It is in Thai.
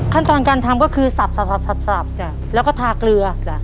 ขั้นตอนการทำก็คือสับสับสับสับสับแล้วก็ทาเกลือจ้ะ